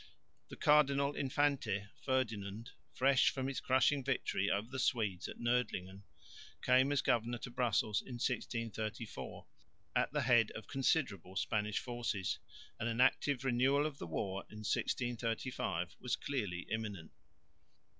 The Cardinal Infante Ferdinand, fresh from his crushing victory over the Swedes at Nördlingen, came as governor to Brussels in 1634, at the head of considerable Spanish forces, and an active renewal of the war in 1635 was clearly imminent.